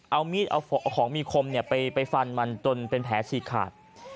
เอามีดเอาของมีคมไปฟันมันจนเป็นแผลฉีกขาด